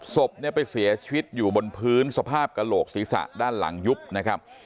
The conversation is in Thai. ศพเนี่ยไปเสียชีวิตอยู่บนพื้นสภาพกระโหลกศีรษะด้านหลังยุบนะครับ